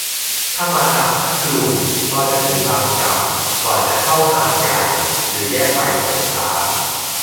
ถ้ามาจากพัทลุง ก็จะถึงบางกล่ำก่อนจะเข้าหาดใหญ่หรือแยกไปสงขลา